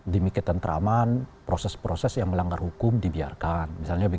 demikian tentraman proses proses yang melanggar hukum dibiarkan